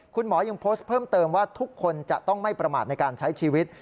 คุณหมอยังโพสต์เพิ่มเติมว่าทุกคนจะต้องไม่ประมาทในการใช้ชีวิต